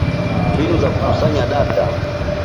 Mbinu za kukusanya data